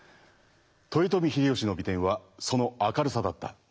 豊臣秀吉の美点はその明るさだった。